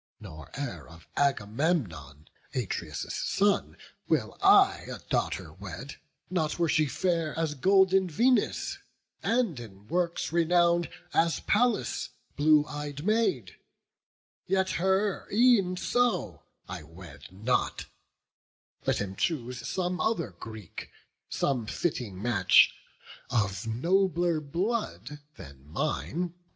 Nor e'er of Agamemnon, Atreus' son, Will I a daughter wed; not were she fair As golden Venus, and in works renown'd As Pallas, blue ey'd Maid, yet her e'en so I wed not; let him choose some other Greek, Some fitting match, of nobler blood than mine.